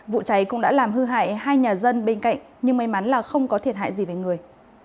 vụ cháy cũng đã làm hư hại hai nhà dân bên cạnh nhưng may mắn là không có thiệt hại gì về người